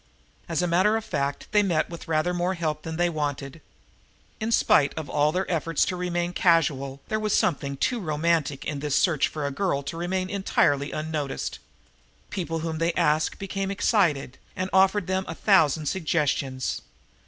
As a matter of fact they met with rather more help than they wanted. In spite of all their efforts to appear casual there was something too romantic in this search for a girl to remain entirely unnoticed. People whom they asked became excited and offered them a thousand suggestions.